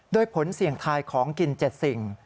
โดยผลเสี่ยงทายของกิน๗สิ่ง